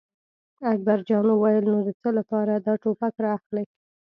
اکبر جان وویل: نو د څه لپاره دا ټوپک را اخلې.